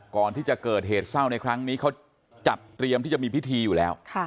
ก่อนที่จะเกิดเหตุเศร้าในครั้งนี้เขาจัดเตรียมที่จะมีพิธีอยู่แล้ว